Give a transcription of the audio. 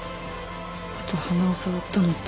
あと鼻を触ったのって。